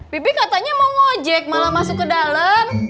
pipi katanya mau ngojek malah masuk ke dalam